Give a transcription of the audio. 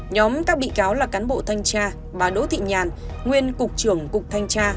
nhóm các bị cáo là cán bộ thanh cha bà đỗ thị nhàn nguyên cục trưởng cục thanh cha